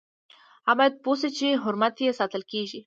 هغه باید پوه شي چې حرمت یې ساتل کیږي.